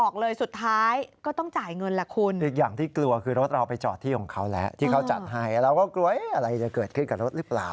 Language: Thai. เขาแหละที่เขาจัดให้เราก็กลัวอะไรจะเกิดขึ้นกับรถหรือเปล่า